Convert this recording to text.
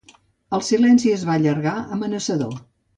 El silenci es va allargar, amenaçador.